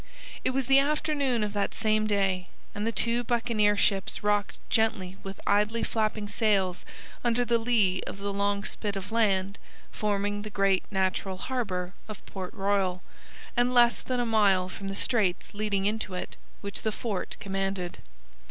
It was the afternoon of that same day, and the two buccaneer ships rocked gently with idly flapping sails under the lee of the long spit of land forming the great natural harbour of Port Royal, and less than a mile from the straits leading into it, which the fort commanded.